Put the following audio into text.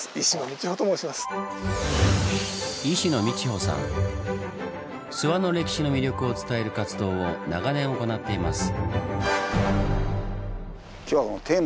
諏訪の歴史の魅力を伝える活動を長年行っています。